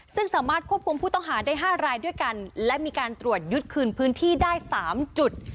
ซึ่งสามารถควบคุมผู้ต้องหาได้๕รายด้วยกันและมีการตรวจยึดคืนพื้นที่ได้๓จุด